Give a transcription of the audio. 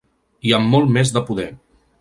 I amb molt més de poder.